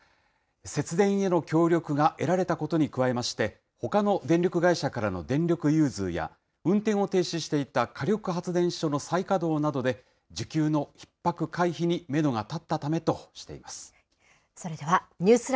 節電への協力が得られたことに加えまして、ほかの電力会社からの電力融通や、運転を停止していた火力発電所の再稼働などで需給のひっ迫回避にそれでは、ニュースＬＩＶＥ！